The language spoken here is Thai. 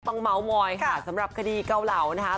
ต้องเศเมา้มอยค่ะสำหรับคดีเก่าเหล่านะคะ